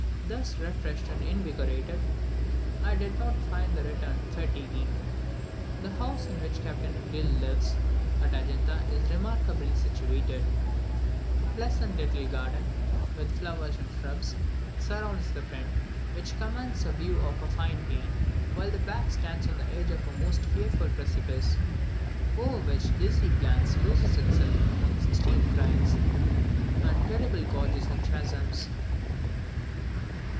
Thus refreshed and invigorated, I did not find the return fatiguing. The house in which Captain Gill lives at Adjunta is very remarkably situated: a pleasant little garden, with flowers and shrubs, surrounds the front, which commands a view of a fine plain, while the back stands upon the edge of a most fearful precipice, over which the dizzy glance loses itself among steep crags and terrible gorges and chasms.